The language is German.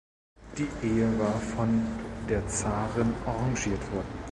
Die Ehe war von der Zarin arrangiert worden.